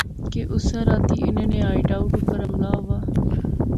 کہ اسے راتی انیں نے ہائیڈ اوٹ اپر حملہ وہا